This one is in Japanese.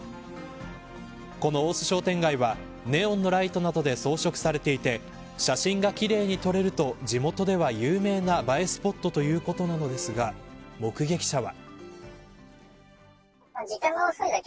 この大須商店街はネオンのライトなどで装飾されていて写真が奇麗に撮れると、地元では有名な映えスポットということなのですが目撃者は。